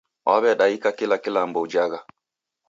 Waw'edaika kila kilambo ujhagha